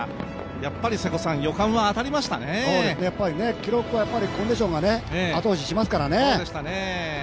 やっぱり記録はコンディションが後押ししますからね。